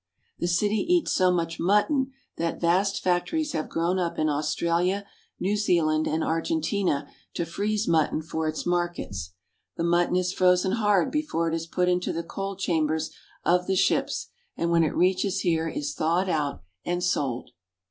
The city eats so much mutton that vast factories have grown up in Aus tralia, New Zealand, and Argentina to freeze mutton for its markets. The mutton is frozen hard before it is put into the cold chambers of the ships, and when it reaches here is thawed out and sold.